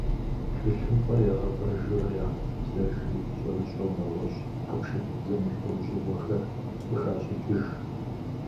Тхылъымпӏэр ягъэвэжурэ ягъэкъэбзэжри, щӏэрыщӏэу нэгъуэщӏ хьэпшып зэмылӏэужьыгъуэхэр къыхащӏыкӏыж.